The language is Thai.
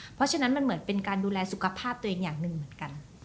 เพราะฉะนั้นมันเหมือนเป็นการดูแลสุขภาพตัวเองอย่างหนึ่งเหมือนกัน